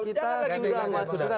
kita sudah masuk ke depan